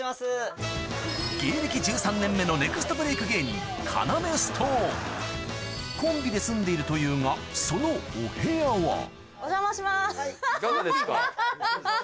芸歴１３年目のネクストブレーク芸人コンビで住んでいるというがハハハハハ